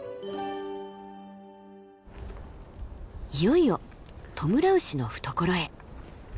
いよいよトムラウシの懐へ。